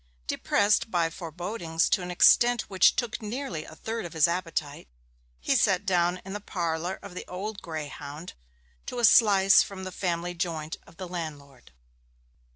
Depressed by forebodings to an extent which took away nearly a third of his appetite, he sat down in the parlour of the Old Greyhound to a slice from the family joint of the landlord.